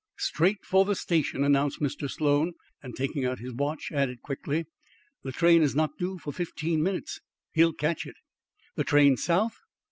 "Straight for the station," announced Mr. Sloan; and, taking out his watch, added quickly; "the train is not due for fifteen minutes. He'll catch it." "The train south?"